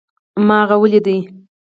ما هغه وليد